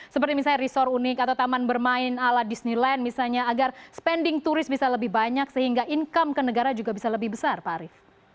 seperti misalnya resort unik atau taman bermain ala disneyland misalnya agar spending turis bisa lebih banyak sehingga income ke negara juga bisa lebih besar pak arief